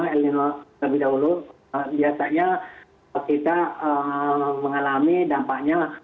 el nino lebih dahulu biasanya kita mengalami dampaknya